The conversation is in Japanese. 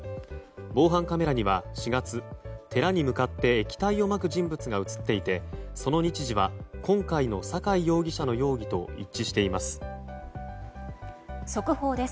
防犯カメラには、４月寺に向かって液体をまく人物が映っていてその日時は今回の酒井容疑者の容疑と一致しています。